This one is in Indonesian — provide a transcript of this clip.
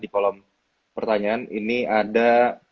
di kolom pertanyaan ini ada